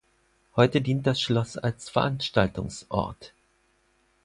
Heute dient das Schloss als Veranstaltungsort.